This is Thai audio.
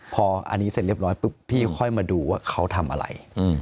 พออันนี้เสร็จเรียบร้อยปุ๊บพี่ค่อยมาดูว่าเขาทำอะไร